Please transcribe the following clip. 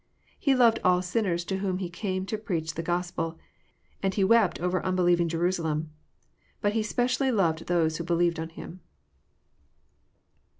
He loved all sinners to whom He came to preach the Gos pel, and He wept over unbelieving Jerusalem. But He specially loved those who believed on Him.